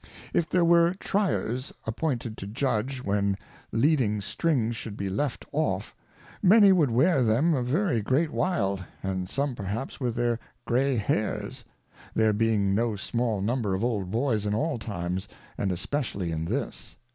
If there were Tryers appointed to judge when Leading Strings should be left off, many would wear them a very great while, and some perhaps with their Gray Hairs ; there being no small number of Old Boys in all times and especially in this.